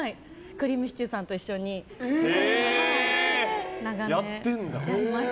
くりぃむしちゅーさんと一緒にやりました。